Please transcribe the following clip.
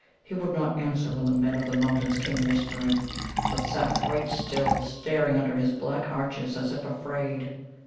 He would not answer when the Men of the Mountains came whispering, but sat quite still, staring under his black arches, as if afraid.